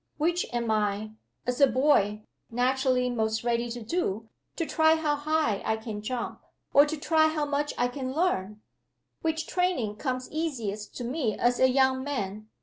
Which am I, as a boy, naturally most ready to do to try how high I can jump? or to try how much I can learn? Which training comes easiest to me as a young man?